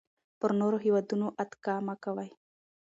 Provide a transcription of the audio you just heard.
پر نورو هېوادونو اتکا مه کوئ.